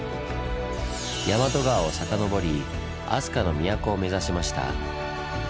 大和川を遡り飛鳥の都を目指しました。